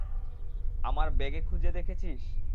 আমার ব্যাগে খুঁজে দেখেছিস?